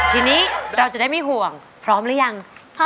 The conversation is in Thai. ทีนี้เราจะได้ไม่ห่วงพร้อมหรือยัง